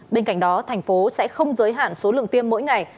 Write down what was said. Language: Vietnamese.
bên cạnh đó tp hcm sẽ không giới hạn số lượng tiêm mỗi ngày